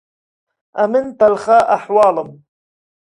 ئەمن تەڵخە ئەحوالم